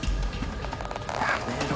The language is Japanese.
やめろ。